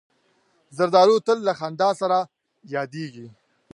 زردالو تل له خندا سره یادیږي.